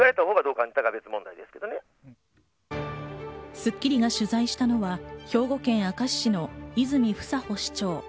『スッキリ』が取材したのは兵庫県明石市の泉房穂市長。